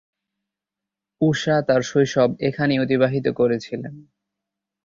ঊষা তাঁর শৈশব এখানেই অতিবাহিত করেছিলেন।